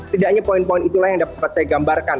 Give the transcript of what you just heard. setidaknya poin poin itulah yang dapat saya gambarkan